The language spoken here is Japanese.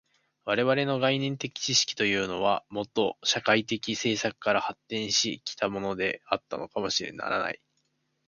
我々の概念的知識というのは、もと社会的制作から発展し来ったものでなければならない。